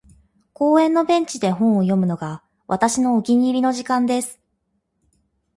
•公園のベンチで本を読むのが、私のお気に入りの時間です。